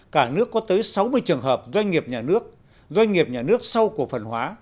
cả nước có tới sáu mươi trường hợp doanh nghiệp nhà nước doanh nghiệp nhà nước sau cổ phần hóa